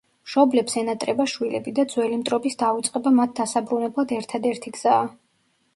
მშობლებს ენატრება შვილები და ძველი მტრობის დავიწყება მათ დასაბრუნებლად ერთადერთი გზაა.